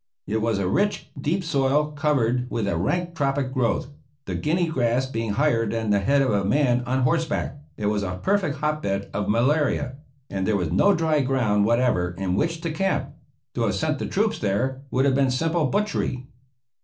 It was a rich, deep soil, covered with a rank tropic growth, the guinea grass being higher than the head of a man on horseback. It was a perfect hotbed of malaria, and there was no dry ground whatever in which to camp. To have sent the troops there would have been simple butchery.